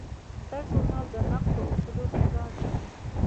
دا ژورنال د نقد په اصولو ټینګار کوي.